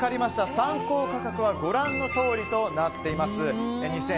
参考価格はご覧のとおりとなっています。